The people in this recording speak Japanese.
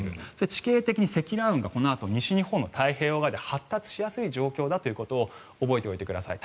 地形的に積乱雲がこのあと西日本の太平洋側で発達しやすい状況だということを覚えておいてください。